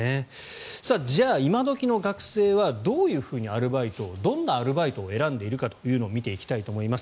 じゃあ、今時の学生はどういうふうにアルバイトをどんなアルバイトを選んでいるかを見ていきたいと思います。